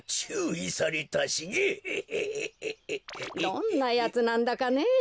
どんなやつなんだかねえ？